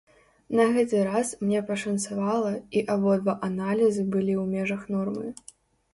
На гэты раз мне пашанцавала, і абодва аналізы былі ў межах нормы.